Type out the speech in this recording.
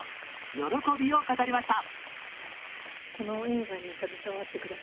喜びを語りました。